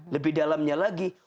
lebih dalamnya lagi